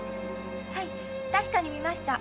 はい確かに見ました。